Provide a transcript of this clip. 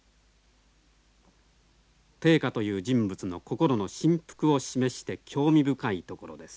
定家という人物の心の振幅を示して興味深いところです。